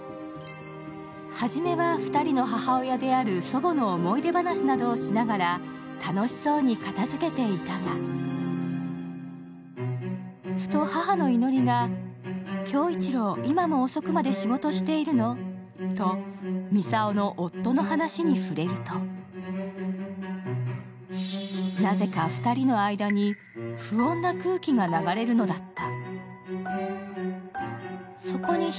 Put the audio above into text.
はじめは２人の母親である祖母の思い出話などをしながら楽しそうに片づけていたがふと母のいのりが杏一郎、今も遅くまで仕事しているの？と操の夫の話に触れるとなぜか２人の間に不穏な空気が流れるのだった。